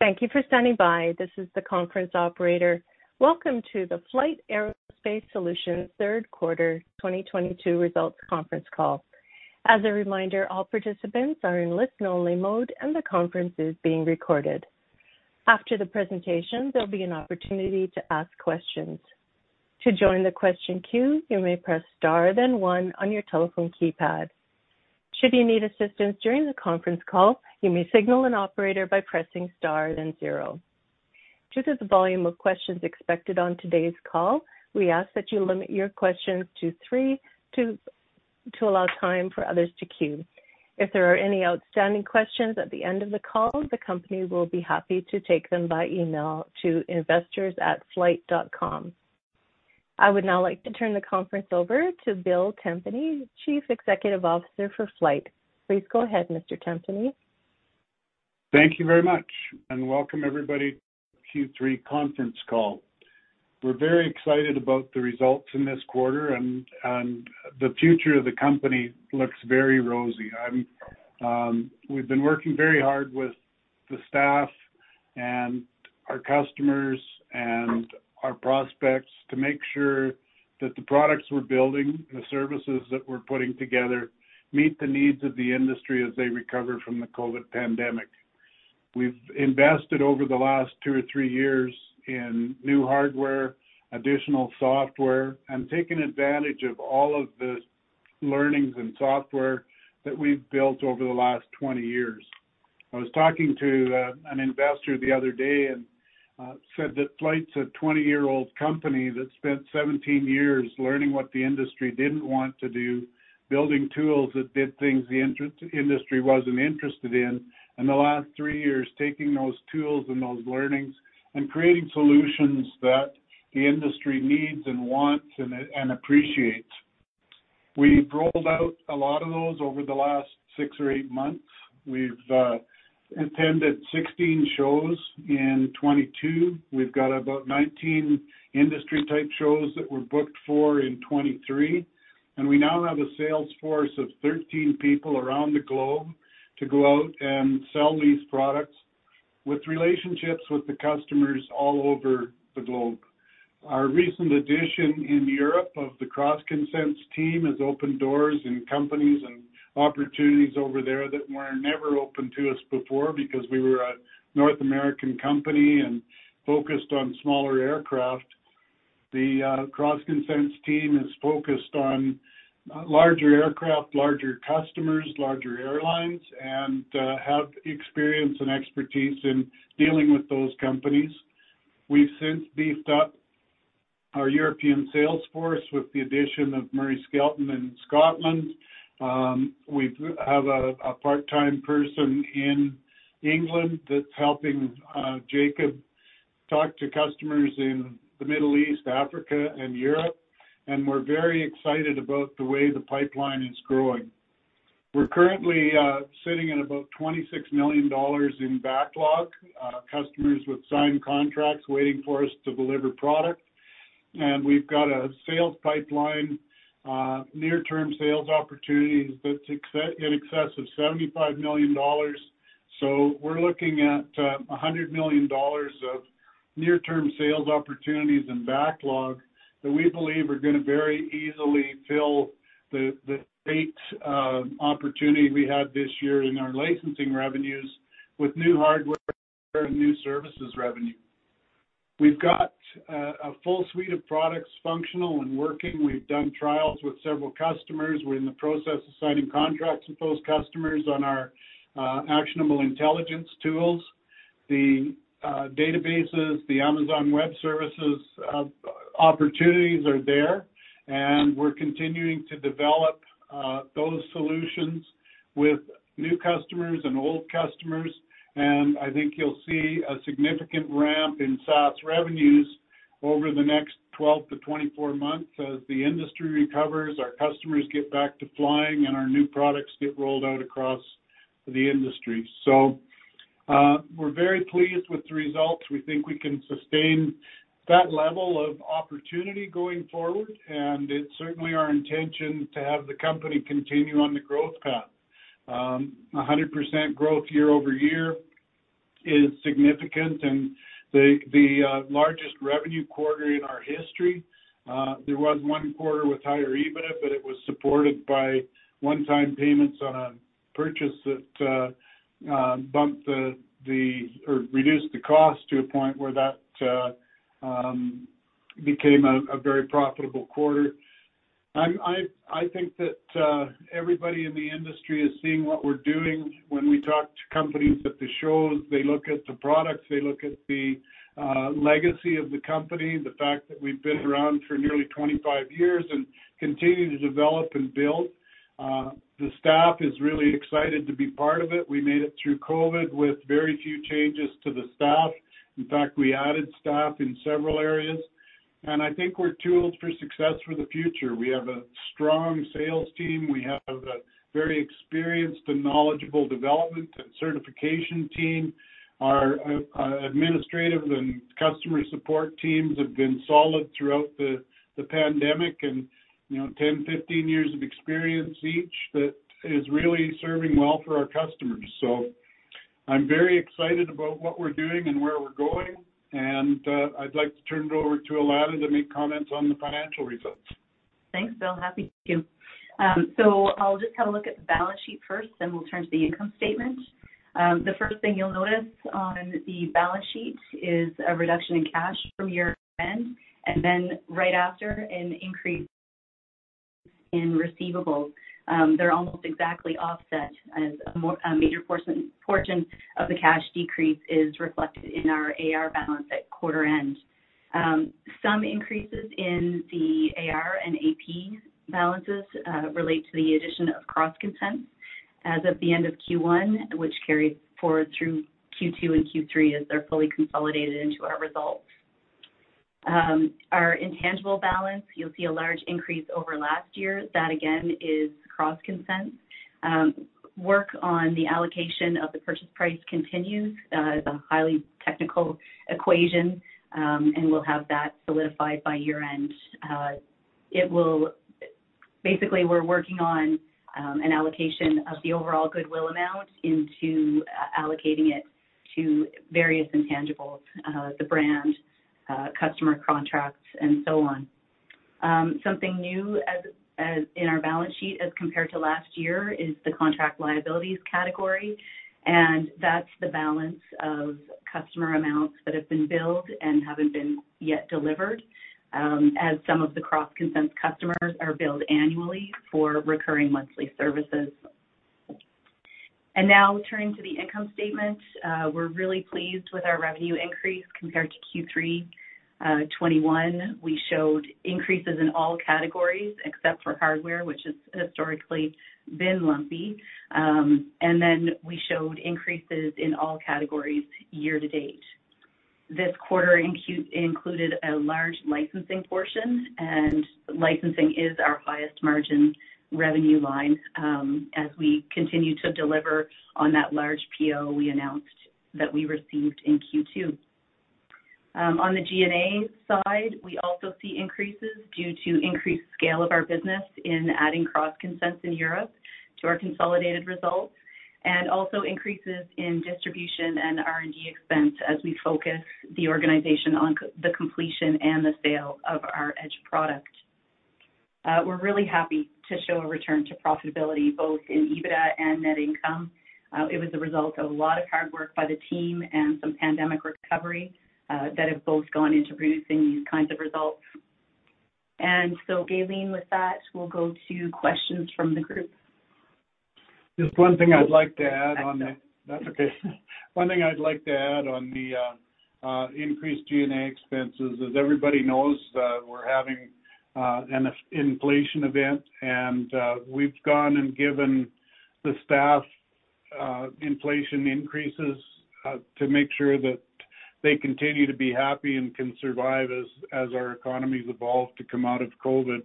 Thank you for standing by. This is the conference operator. Welcome to the FLYHT Aerospace Solutions third quarter 2022 results conference call. As a reminder, all participants are in listen only mode and the conference is being recorded. After the presentation, there'll be an opportunity to ask questions. To join the question queue, you may press star then one on your telephone keypad. Should you need assistance during the conference call, you may signal an operator by pressing star then zero. Due to the volume of questions expected on today's call, we ask that you limit your questions to three to allow time for others to queue. If there are any outstanding questions at the end of the call, the company will be happy to take them by email to investors@flyht.com. I would now like to turn the conference over to Bill Tempany, Chief Executive Officer for FLYHT. Please go ahead, Mr. Tempany. Thank you very much and welcome everybody to Q3 conference call. We're very excited about the results in this quarter and the future of the company looks very rosy. We've been working very hard with the staff and our customers and our prospects to make sure that the products we're building, the services that we're putting together meet the needs of the industry as they recover from the COVID pandemic. We've invested over the last two or three years in new hardware, additional software, and taken advantage of all of the learnings and software that we've built over the last 20 years. I was talking to an investor the other day and said that FLYHT's a 20-year-old company that spent 17 years learning what the industry didn't want to do, building tools that did things the entire industry wasn't interested in, and the last three years, taking those tools and those learnings and creating solutions that the industry needs and wants and appreciates. We've rolled out a lot of those over the last six or eight months. We've attended 16 shows in 2022. We've got about 19 industry type shows that we're booked for in 2023, and we now have a sales force of 13 people around the globe to go out and sell these products with relationships with the customers all over the globe. Our recent addition in Europe of the CrossConsense team has opened doors and companies and opportunities over there that were never open to us before because we were a North American company and focused on smaller aircraft. The CrossConsense team is focused on larger aircraft, larger customers, larger airlines and have experience and expertise in dealing with those companies. We've since beefed up our European sales force with the addition of Murray Skelton in Scotland. We have a part-time person in England that's helping Kent Jacobs talk to customers in the Middle East, Africa, and Europe, and we're very excited about the way the pipeline is growing. We're currently sitting at about $26 million in backlog, customers with signed contracts waiting for us to deliver product. We've got a sales pipeline, near-term sales opportunities that's in excess of 75 million dollars. We're looking at 100 million dollars of near-term sales opportunities and backlog that we believe are gonna very easily fill the stated opportunity we had this year in our licensing revenues with new hardware and new services revenue. We've got a full suite of products functional and working. We've done trials with several customers. We're in the process of signing contracts with those customers on our Actionable Intelligence tools. The databases, the Amazon Web Services opportunities are there, and we're continuing to develop those solutions with new customers and old customers. I think you'll see a significant ramp in SaaS revenues over the next 12-24 months as the industry recovers, our customers get back to flying, and our new products get rolled out across the industry. We're very pleased with the results. We think we can sustain that level of opportunity going forward, and it's certainly our intention to have the company continue on the growth path. 100% growth year-over-year is significant and the largest revenue quarter in our history. There was one quarter with higher EBITDA, but it was supported by one-time payments on a purchase that reduced the cost to a point where that became a very profitable quarter. I think that everybody in the industry is seeing what we're doing. When we talk to companies at the shows, they look at the products, they look at the legacy of the company, the fact that we've been around for nearly 25 years and continue to develop and build. The staff is really excited to be part of it. We made it through COVID with very few changes to the staff. In fact, we added staff in several areas, and I think we're tooled for success for the future. We have a strong sales team. We have a very experienced and knowledgeable development and certification team. Our administrative and customer support teams have been solid throughout the pandemic and, you know, 10, 15 years of experience each that is really serving well for our customers. I'm very excited about what we're doing and where we're going, and I'd like to turn it over to Alana to make comments on the financial results. Thanks, Bill. Happy to. I'll just have a look at the balance sheet first, then we'll turn to the income statement. The first thing you'll notice on the balance sheet is a reduction in cash from year-end, and then right after an increase in receivables. They're almost exactly offset as a major portion of the cash decrease is reflected in our AR balance at quarter end. Some increases in the AR and AP balances relate to the addition of CrossConsense as of the end of Q1, which carried forward through Q2 and Q3 as they're fully consolidated into our results. Our intangible balance, you'll see a large increase over last year. That, again, is CrossConsense. Work on the allocation of the purchase price continues. It's a highly technical equation, and we'll have that solidified by year-end. Basically, we're working on an allocation of the overall goodwill amount into allocating it to various intangibles, the brand, customer contracts and so on. Something new as in our balance sheet as compared to last year is the contract liabilities category, and that's the balance of customer amounts that have been billed and haven't been yet delivered, as some of the CrossConsense customers are billed annually for recurring monthly services. Now turning to the income statement. We're really pleased with our revenue increase compared to Q3 2021. We showed increases in all categories except for hardware, which has historically been lumpy. And then we showed increases in all categories year-to-date. This quarter included a large licensing portion, and licensing is our highest margin revenue line, as we continue to deliver on that large PO we announced that we received in Q2. On the G&A side, we also see increases due to increased scale of our business in adding CrossConsense in Europe to our consolidated results, and also increases in distribution and R&D expense as we focus the organization on the completion and the sale of our Edge product. We're really happy to show a return to profitability both in EBITDA and net income. It was the result of a lot of hard work by the team and some pandemic recovery that have both gone into producing these kinds of results. Gayleen, with that, we'll go to questions from the group. Just one thing I'd like to add on the. I'll start. That's okay. One thing I'd like to add on the increased G&A expenses is everybody knows that we're having an inflation event, and we've gone and given the staff inflation increases to make sure that they continue to be happy and can survive as our economies evolve to come out of COVID.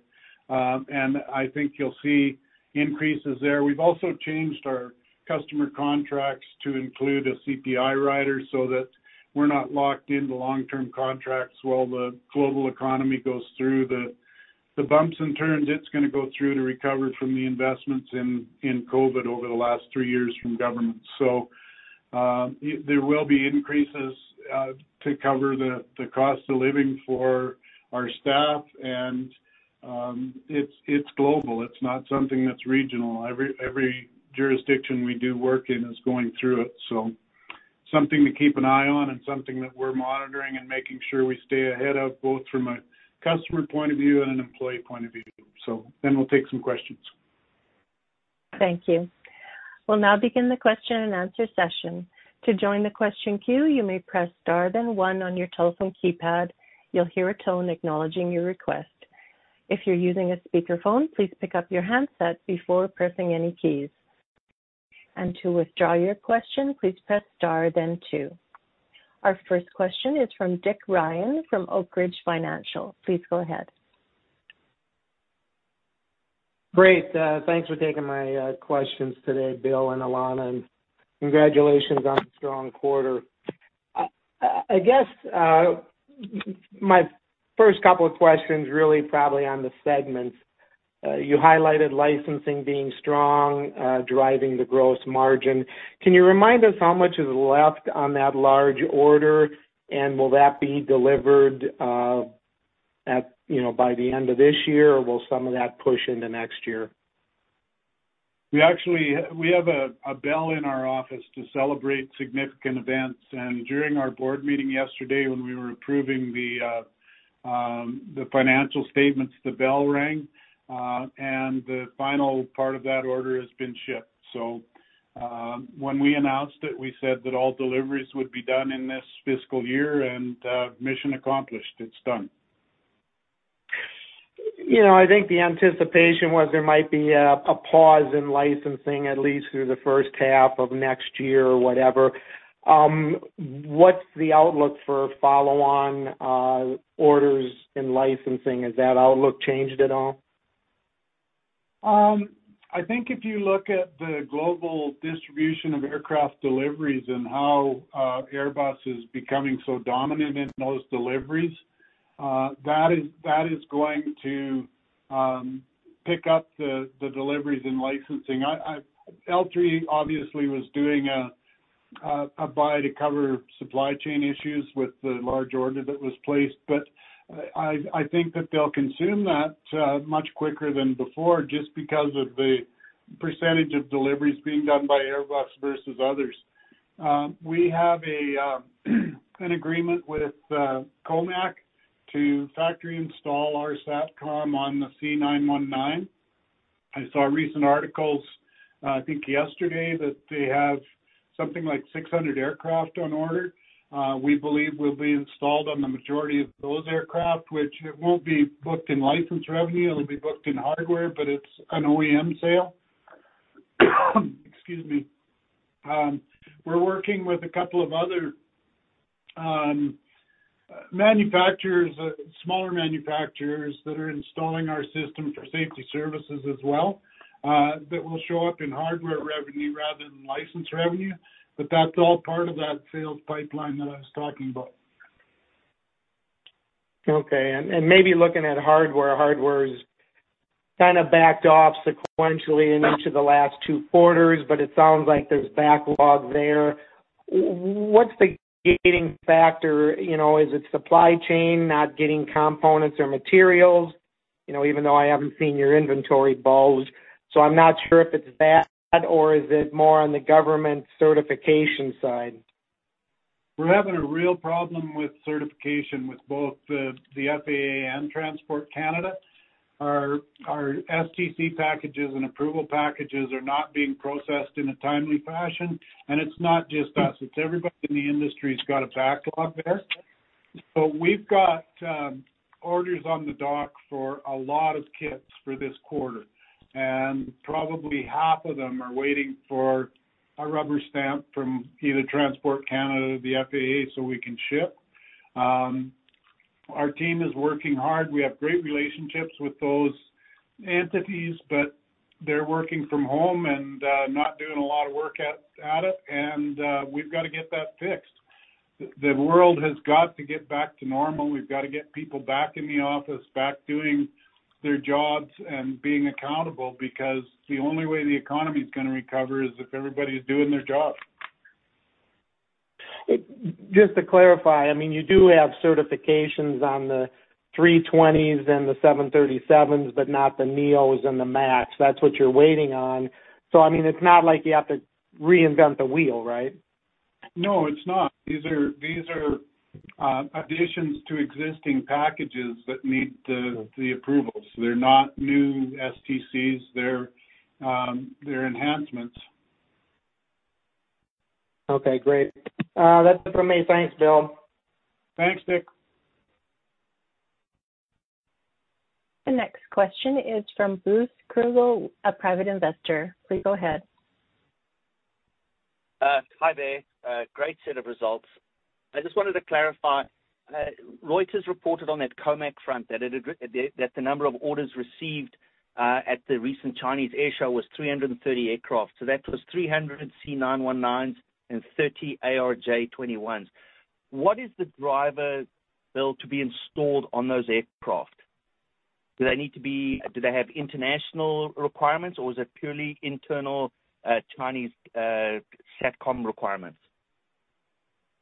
I think you'll see increases there. We've also changed our customer contracts to include a CPI rider so that we're not locked into long-term contracts while the global economy goes through the bumps and turns it's gonna go through to recover from the investments in COVID over the last three years from government. There will be increases to cover the cost of living for our staff, and it's global. It's not something that's regional. Every jurisdiction we do work in is going through it. Something to keep an eye on and something that we're monitoring and making sure we stay ahead of, both from a customer point of view and an employee point of view. We'll take some questions. Thank you. We'll now begin the question and answer session. To join the question queue, you may press star then one on your telephone keypad. You'll hear a tone acknowledging your request. If you're using a speakerphone, please pick up your handset before pressing any keys. To withdraw your question, please press star then two. Our first question is from Dick Ryan from Oak Ridge Financial. Please go ahead. Great. Thanks for taking my questions today, Bill Tempany and Alana Forbes, and congratulations on a strong quarter. I guess my first couple of questions really probably on the segments. You highlighted licensing being strong, driving the gross margin. Can you remind us how much is left on that large order, and will that be delivered, you know, by the end of this year, or will some of that push into next year? We actually have a bell in our office to celebrate significant events, and during our board meeting yesterday when we were approving the financial statements, the bell rang, and the final part of that order has been shipped. When we announced it, we said that all deliveries would be done in this fiscal year and, mission accomplished, it's done. You know, I think the anticipation was there might be a pause in licensing at least through the first half of next year or whatever. What's the outlook for follow-on orders in licensing? Has that outlook changed at all? I think if you look at the global distribution of aircraft deliveries and how Airbus is becoming so dominant in those deliveries, that is going to pick up the deliveries and licensing. L3 obviously was doing a buy to cover supply chain issues with the large order that was placed. I think that they'll consume that much quicker than before, just because of the percentage of deliveries being done by Airbus versus others. We have an agreement with COMAC to factory install our SATCOM on the C919. I saw recent articles, I think yesterday, that they have something like 600 aircraft on order. We believe we'll be installed on the majority of those aircraft, which it won't be booked in license revenue, it'll be booked in hardware, but it's an OEM sale. Excuse me. We're working with a couple of other manufacturers, smaller manufacturers that are installing our system for safety services as well, that will show up in hardware revenue rather than license revenue. That's all part of that sales pipeline that I was talking about. Okay. Maybe looking at hardware is kind of backed off sequentially in each of the last two quarters, but it sounds like there's backlog there. What's the gating factor? You know, is it supply chain not getting components or materials? You know, even though I haven't seen your inventory bulge, so I'm not sure if it's that, or is it more on the government certification side? We're having a real problem with certification with both the FAA and Transport Canada. Our STC packages and approval packages are not being processed in a timely fashion. It's not just us, it's everybody in the industry has got a backlog there. We've got orders on the dock for a lot of kits for this quarter, and probably half of them are waiting for a rubber stamp from either Transport Canada or the FAA so we can ship. Our team is working hard. We have great relationships with those entities, but they're working from home and not doing a lot of work at it. We've got to get that fixed. The world has got to get back to normal. We've got to get people back in the office, back doing their jobs and being accountable, because the only way the economy is gonna recover is if everybody is doing their job. Just to clarify, I mean, you do have certifications on the A320s and the 737s, but not the NEOs and the MAX. That's what you're waiting on. I mean, it's not like you have to reinvent the wheel, right? No, it's not. These are additions to existing packages that need the approvals. They're not new STCs, they're enhancements. Okay, great. That's it for me. Thanks, Bill. Thanks, Dick. The next question is from Bruce Kruger, a private investor. Please go ahead. Hi there. A great set of results. I just wanted to clarify, Reuters reported on that COMAC front that the number of orders received at the recent Airshow China was 330 aircraft. That was 300 C919s and 30 ARJ21s. What is the driver built to be installed on those aircraft? Do they have international requirements, or is it purely internal Chinese SATCOM requirements?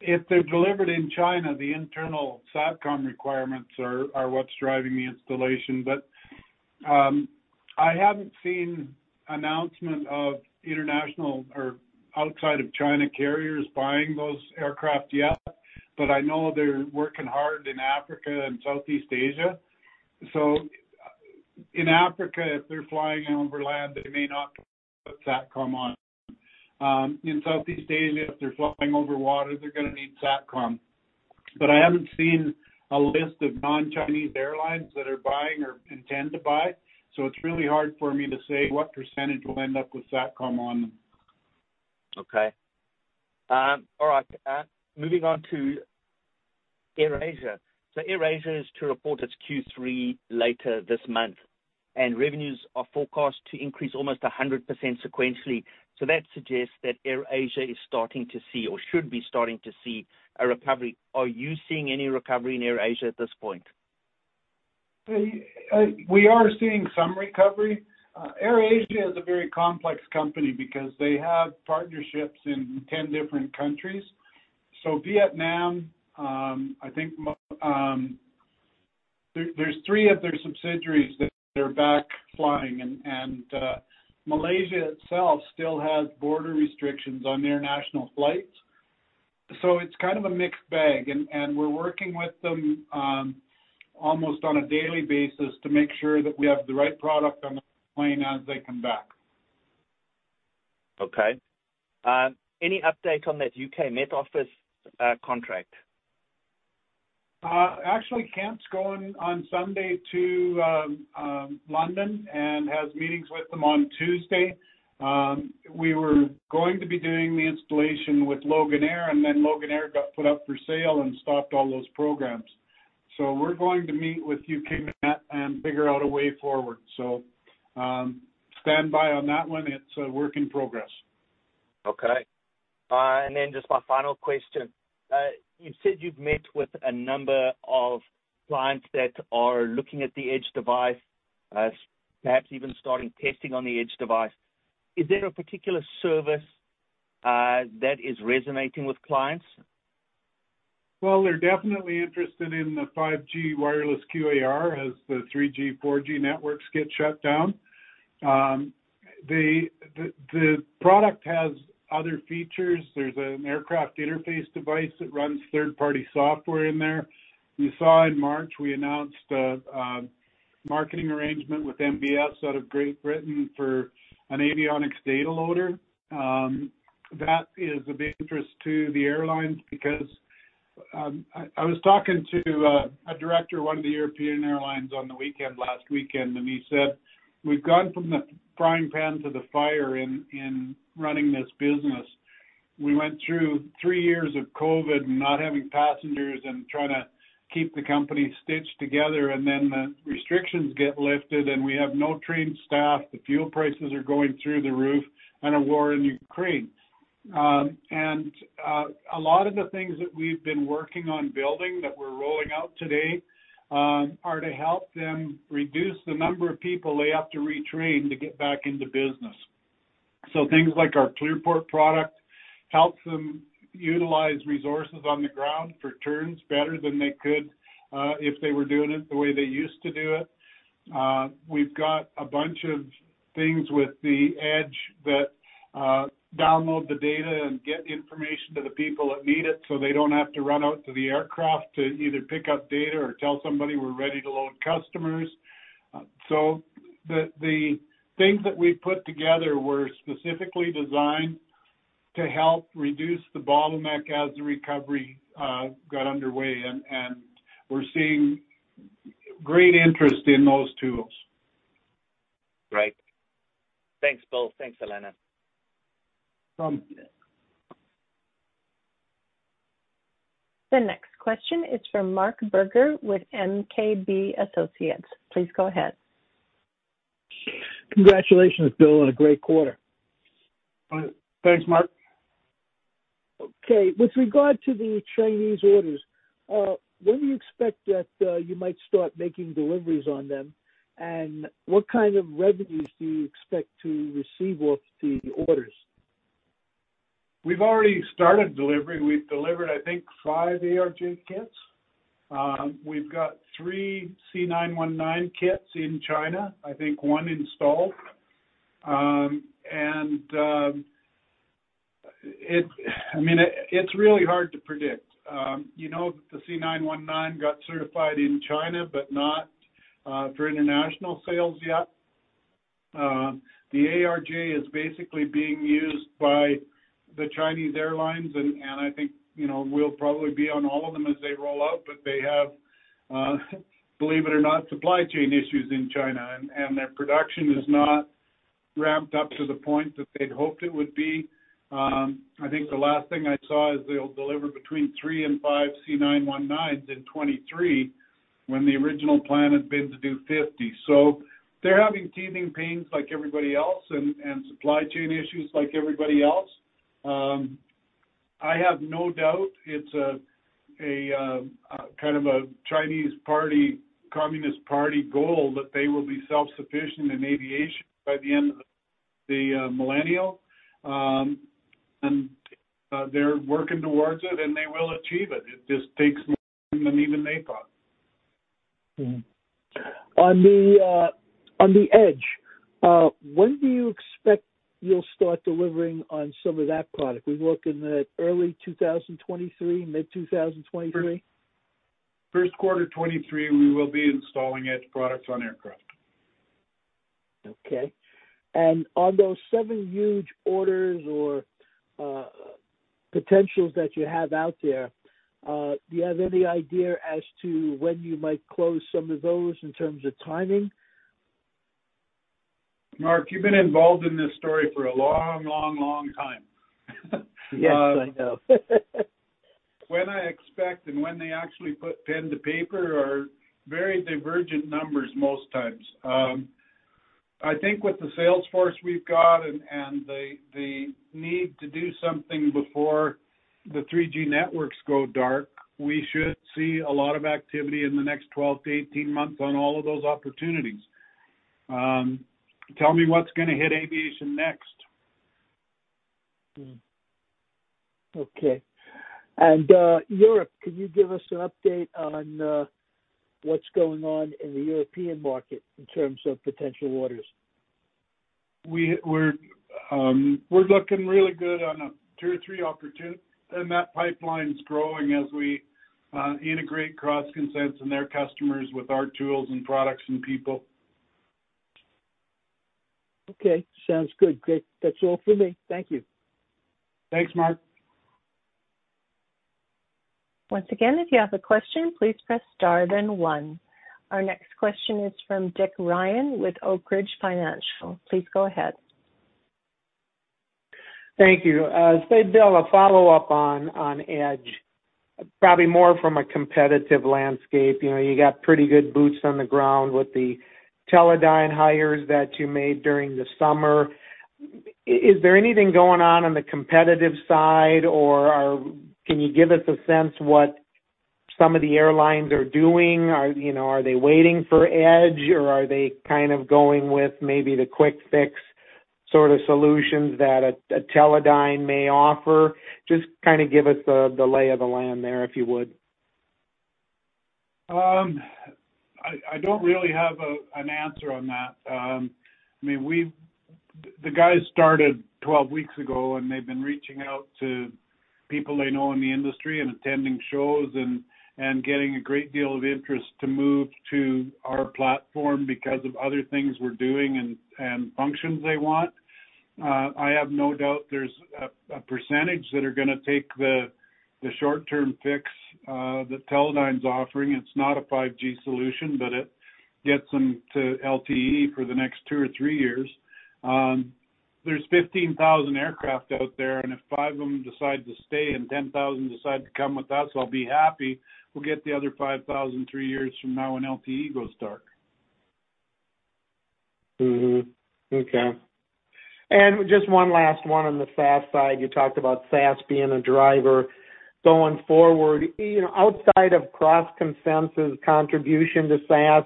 If they're delivered in China, the internal SATCOM requirements are what's driving the installation. But I haven't seen announcement of international or outside of China carriers buying those aircraft yet, but I know they're working hard in Africa and Southeast Asia. In Africa, if they're flying over land, they may not put SATCOM on. In Southeast Asia, if they're flying over water, they're gonna need SATCOM. But I haven't seen a list of non-Chinese airlines that are buying or intend to buy. It's really hard for me to say what percentage will end up with SATCOM on them. Moving on to AirAsia. AirAsia is to report its Q3 later this month, and revenues are forecast to increase almost 100% sequentially. That suggests that AirAsia is starting to see or should be starting to see a recovery. Are you seeing any recovery in AirAsia at this point? We are seeing some recovery. AirAsia is a very complex company because they have partnerships in 10 different countries. Vietnam, I think there are three of their subsidiaries that are back flying and Malaysia itself still has border restrictions on international flights. It's kind of a mixed bag. We're working with them almost on a daily basis to make sure that we have the right product on the plane as they come back. Okay. Any update on that U.K. Met Office contract? Actually, Kent's going on Sunday to London and has meetings with them on Tuesday. We were going to be doing the installation with Loganair, and then Loganair got put up for sale and stopped all those programs. We're going to meet with Met Office and figure out a way forward. Stand by on that one. It's a work in progress. Okay. Just my final question. You said you've met with a number of clients that are looking at the Edge device, perhaps even starting testing on the Edge device. Is there a particular service that is resonating with clients? Well, they're definitely interested in the 5G wireless QAR as the 3G, 4G networks get shut down. The product has other features. There's an aircraft interface device that runs third-party software in there. You saw in March, we announced a marketing arrangement with MBS out of Great Britain for an avionics data loader. That is of interest to the airlines because I was talking to a director of one of the European airlines on the weekend, last weekend, and he said, "We've gone from the frying pan to the fire in running this business. We went through three years of COVID and not having passengers and trying to keep the company stitched together, and then the restrictions get lifted, and we have no trained staff. The fuel prices are going through the roof and a war in Ukraine. A lot of the things that we've been working on building that we're rolling out today are to help them reduce the number of people they have to retrain to get back into business. Things like our ClearPort product helps them utilize resources on the ground for turns better than they could if they were doing it the way they used to do it. We've got a bunch of things with the Edge that download the data and get information to the people that need it, so they don't have to run out to the aircraft to either pick up data or tell somebody we're ready to load customers. The things that we put together were specifically designed to help reduce the bottleneck as the recovery got underway. We're seeing great interest in those tools. Great. Thanks, Bill. Thanks, Alana. Um. The next question is from Marc Berger with MKB Associates. Please go ahead. Congratulations, Bill Tempany, on a great quarter. Thanks, Marc. Okay. With regard to the Chinese orders, when do you expect that you might start making deliveries on them? What kind of revenues do you expect to receive off the orders? We've already started delivering. We've delivered, I think, five ARJ kits. We've got three C919 kits in China, I think one installed. I mean, it's really hard to predict. You know, the C919 got certified in China, but not for international sales yet. The ARJ is basically being used by the Chinese airlines. I think, you know, we'll probably be on all of them as they roll out, but they have, believe it or not, supply chain issues in China. Their production is not ramped up to the point that they'd hoped it would be. I think the last thing I saw is they'll deliver between three and five C919s in 2023, when the original plan had been to do 50. They're having teething pains like everybody else and supply chain issues like everybody else. I have no doubt it's a kind of Chinese Communist Party goal that they will be self-sufficient in aviation by the end of the millennium. They're working towards it, and they will achieve it. It just takes more than even they thought. On the Edge, when do you expect you'll start delivering on some of that product? We're looking at early 2023, mid 2023? First quarter 2023, we will be installing Edge products on aircraft. Okay. On those seven huge orders or potentials that you have out there, do you have any idea as to when you might close some of those in terms of timing? Marc, you've been involved in this story for a long, long, long time. Yes, I know. When I expect and when they actually put pen to paper are very divergent numbers most times. I think with the sales force we've got and the need to do something before the 3G networks go dark, we should see a lot of activity in the next 12-18 months on all of those opportunities. Tell me what's gonna hit aviation next? Okay. Europe, can you give us an update on what's going on in the European market in terms of potential orders? We're looking really good on two or three opportunities, and that pipeline is growing as we integrate CrossConsense and their customers with our tools and products and people. Okay, sounds good. Great. That's all for me. Thank you. Thanks, Marc. Once again, if you have a question, please press star then one. Our next question is from Dick Ryan with Oak Ridge Financial. Please go ahead. Thank you. Bill, a follow-up on Edge. Probably more from a competitive landscape. You know, you got pretty good boots on the ground with the Teledyne hires that you made during the summer. Is there anything going on on the competitive side? Can you give us a sense what some of the airlines are doing? Are, you know, they waiting for Edge or are they kind of going with maybe the quick fix sort of solutions that a Teledyne may offer? Just kinda give us the lay of the land there, if you would. I don't really have an answer on that. I mean, the guys started 12 weeks ago, and they've been reaching out to people they know in the industry and attending shows and getting a great deal of interest to move to our platform because of other things we're doing and functions they want. I have no doubt there's a percentage that are gonna take the short-term fix that Teledyne's offering. It's not a 5G solution, but it gets them to LTE for the next two or three years. There's 15,000 aircraft out there, and if 5,000 of them decide to stay and 10,000 decide to come with us, I'll be happy. We'll get the other 5,000 three years from now when LTE goes dark. Just one last one on the SaaS side. You talked about SaaS being a driver going forward. You know, outside of CrossConsense contribution to SaaS,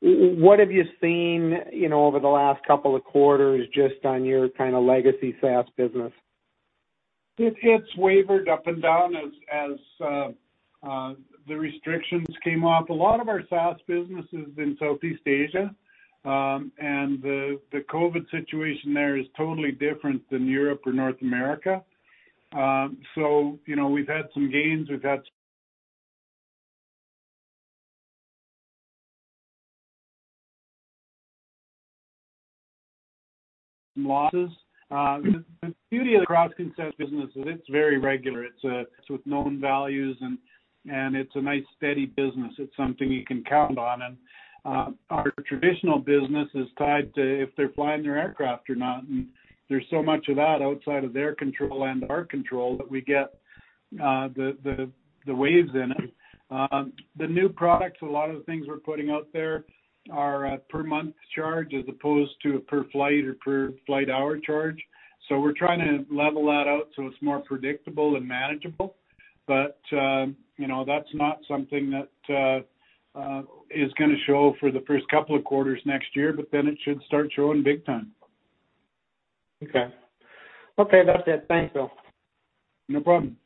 what have you seen, you know, over the last couple of quarters just on your kinda legacy SaaS business? It's wavered up and down as the restrictions came off. A lot of our SaaS business is in Southeast Asia, and the COVID situation there is totally different than Europe or North America. You know, we've had some gains, we've had some losses. The beauty of the CrossConsense business is it's very regular. It's with known values, and it's a nice, steady business. It's something you can count on. Our traditional business is tied to if they're flying their aircraft or not, and there's so much of that outside of their control and our control that we get the waves in it. The new products, a lot of the things we're putting out there are per month charge as opposed to a per flight or per flight hour charge. We're trying to level that out so it's more predictable and manageable. You know, that's not something that is gonna show for the first couple of quarters next year, but then it should start showing big time. Okay. Okay, that's it. Thanks, Bill. No problem.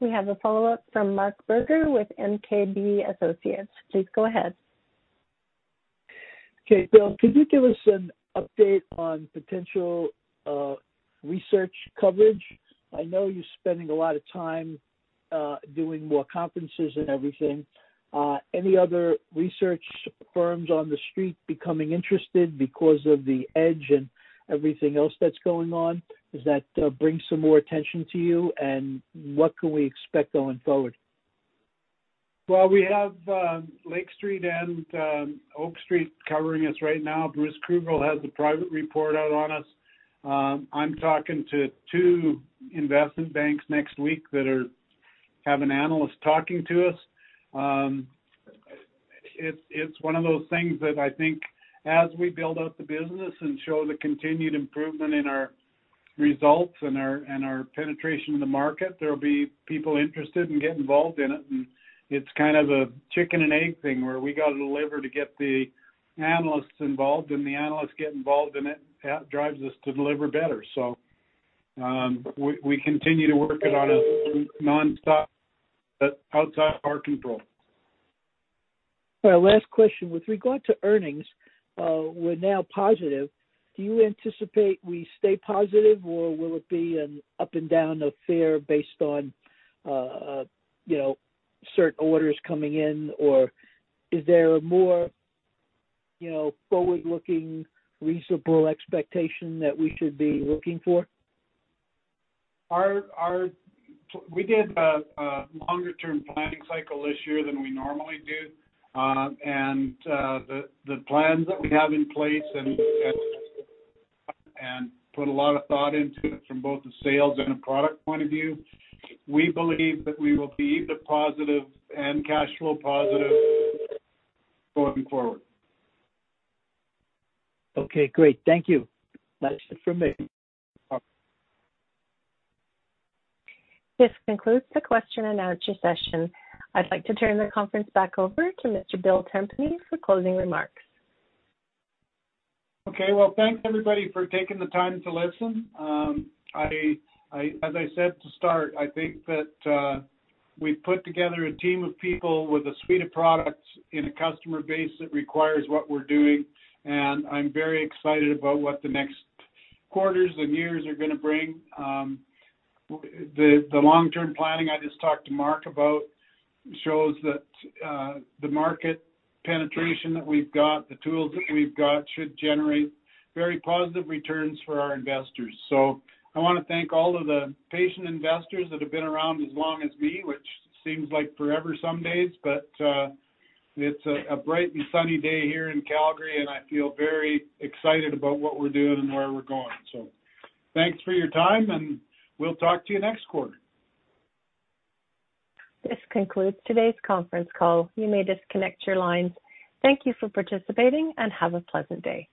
We have a follow-up from Marc Berger with MKB Associates. Please go ahead. Okay. Bill, could you give us an update on potential research coverage? I know you're spending a lot of time doing more conferences and everything. Any other research firms on the street becoming interested because of the Edge and everything else that's going on? Does that bring some more attention to you, and what can we expect going forward? Well, we have Lake Street and Oak Ridge covering us right now. Bruce Kruger has a private report out on us. I'm talking to two investment banks next week that have an analyst talking to us. It's one of those things that I think as we build out the business and show the continued improvement in our results and our penetration in the market, there'll be people interested and get involved in it. It's kind of a chicken and egg thing, where we gotta deliver to get the analysts involved, and the analysts get involved, and it drives us to deliver better. We continue to work it nonstop but outside of our control. Last question. With regard to earnings, we're now positive. Do you anticipate we stay positive, or will it be an up and down affair based on, you know, certain orders coming in? Or is there a more, you know, forward-looking, reasonable expectation that we should be looking for? We did a longer term planning cycle this year than we normally do. The plans that we have in place and put a lot of thought into it from both the sales and a product point of view. We believe that we will be EBITDA positive and cash flow positive going forward. Okay, great. Thank you. That's it for me. This concludes the question and answer session. I'd like to turn the conference back over to Mr. Bill Tempany for closing remarks. Okay. Well, thanks everybody for taking the time to listen. As I said to start, I think that we've put together a team of people with a suite of products in a customer base that requires what we're doing, and I'm very excited about what the next quarters and years are gonna bring. The long-term planning I just talked to Marc about shows that the market penetration that we've got, the tools that we've got should generate very positive returns for our investors. I wanna thank all of the patient investors that have been around as long as me, which seems like forever some days. It's a bright and sunny day here in Calgary, and I feel very excited about what we're doing and where we're going. Thanks for your time, and we'll talk to you next quarter. This concludes today's conference call. You may disconnect your lines. Thank you for participating and have a pleasant day.